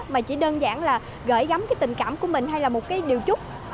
mà chỉ đơn giản là gỡ gắm cái tình cảm của mình hay là một cái điều chúc